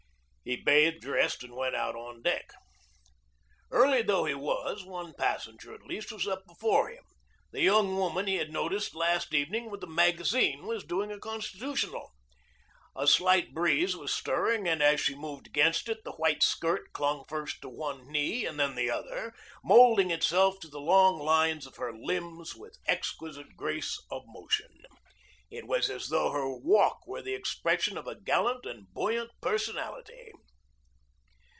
He bathed, dressed, and went out on the deck. Early though he was, one passenger at least was up before him. The young woman he had noticed last evening with the magazine was doing a constitutional. A slight breeze was stirring, and as she moved against it the white skirt clung first to one knee and then the other, moulding itself to the long lines of her limbs with exquisite grace of motion. It was as though her walk were the expression of a gallant and buoyant personality.